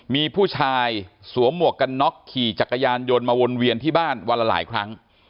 มีผู้ชายสวมหมวกกันน็อกขี่จักรยานยนต์มาวนเวียนที่บ้านวันละหลายครั้ง